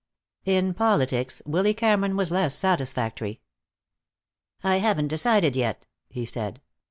In politics Willy Cameron was less satisfactory. "I haven't decided, yet," he said.